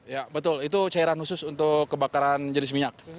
ya betul itu cairan khusus untuk kebakaran jenis minyak